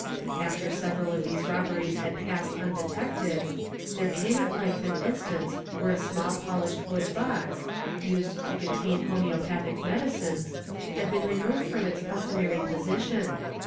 After several of these robberies had passed undetected, here came at length an instance where a small polished wood box, used 0 contain homeopathic medicines, had been removed from its customary sition.